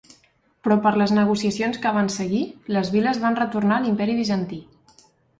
Però per les negociacions que van seguir, les viles van retornar a l'Imperi Bizantí.